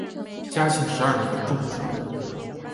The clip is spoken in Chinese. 嘉庆十二年中举人。